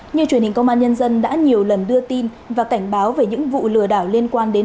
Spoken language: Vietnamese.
như truyền hình công an nhân dân đã nhiều lần đưa tin và cảnh báo về những vụ lừa đảo liên quan đến